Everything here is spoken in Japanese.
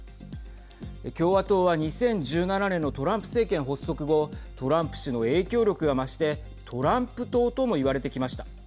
共和党は２０１７年のトランプ政権発足後トランプ氏の影響力が増してトランプ党とも言われてきました。